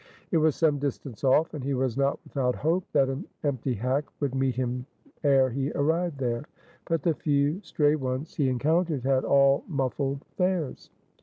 It was some distance off; and he was not without hope that an empty hack would meet him ere he arrived there. But the few stray ones he encountered had all muffled fares.